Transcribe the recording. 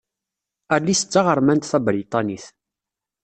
Alice d taɣermant tabriṭanit.